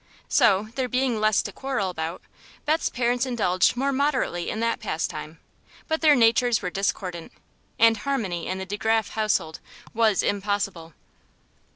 So, there being less to quarrel about, Beth's parents indulged more moderately in that pastime; but their natures were discordant, and harmony in the De Graf household was impossible.